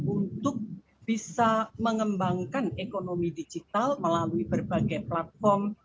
untuk bisa mengembangkan ekonomi digital melalui berbagai platform